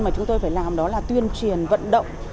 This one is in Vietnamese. mà chúng tôi phải làm đó là tuyên truyền vận động